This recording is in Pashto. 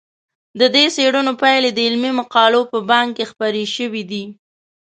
د دې څېړنو پایلې د علمي مقالو په بانک کې خپرې شوي دي.